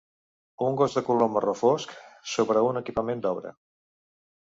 Un gos de color marró fosc sobre un equipament d'obra.